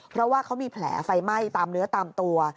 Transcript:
เพราะว่าเขามีแผลไฟไหม้ตามเนื้อตามตัว